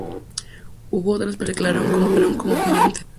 Hubo otras personas que se reclamaron como videntes.